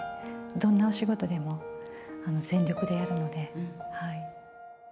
どんなお仕事でも、全力でやるので。